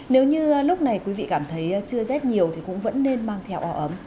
nếu như lúc này quý vị cảm thấy chưa rét nhiều thì cũng vẫn nên mang theo ảo ấm